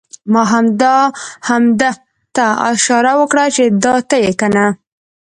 ما همده ته اشاره وکړه چې دا ته یې کنه؟!